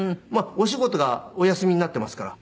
お仕事がお休みになっていますから。